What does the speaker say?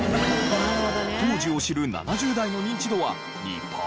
当時を知る７０代のニンチドは２パーセント。